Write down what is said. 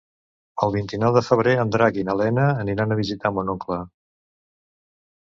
El vint-i-nou de febrer en Drac i na Lena aniran a visitar mon oncle.